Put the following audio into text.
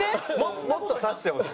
もっと刺してほしい。